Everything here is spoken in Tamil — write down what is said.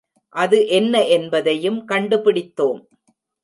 அது என்ன என்பதையும் கண்டு பிடித்தோம்.